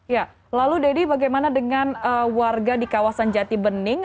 ya lalu deddy bagaimana dengan warga di kawasan jati bening